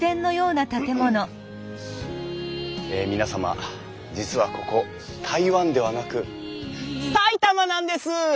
え皆様実はここ台湾ではなく埼玉なんです！